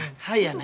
はい。